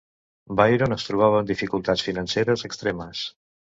Byron es trobava en dificultats financeres extremes.